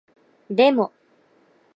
でも